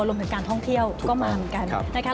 รวมถึงการท่องเที่ยวก็มาเหมือนกันนะคะ